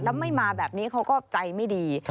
แล้วไม่มาแบบนี้เขาก็ใจไม่ดี